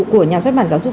của nhà sách bản giáo dục